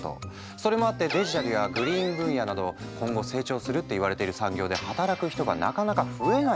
それもあってデジタルやグリーン分野など今後成長するっていわれてる産業で働く人がなかなか増えないんだって。